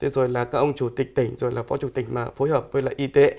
rồi là các ông chủ tịch tỉnh rồi là phó chủ tịch mà phối hợp với lại y tế